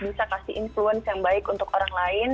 bisa kasih influence yang baik untuk orang lain